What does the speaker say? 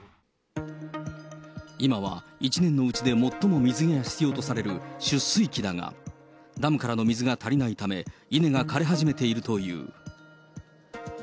今は１年のうちで最も水が必要とされる出穂期だが、ダムからの水が足りないため、稲が枯れ始めているという。